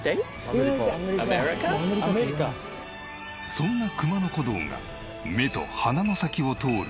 そんな熊野古道が目と鼻の先を通る